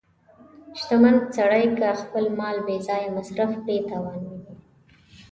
• شتمن سړی که خپل مال بې ځایه مصرف کړي، تاوان ویني.